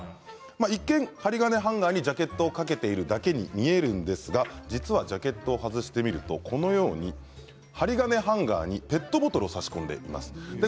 一見、針金ハンガーにジャケットを掛けているだけに見えますけれど実はジャケットを外してみますとこのように針金ハンガーにペットボトルを差し込んでいます。